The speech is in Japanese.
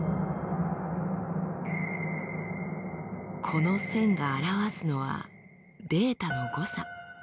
この線が表すのはデータの誤差。